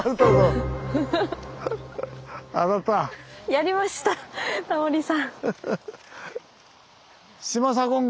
やりましたタモリさん。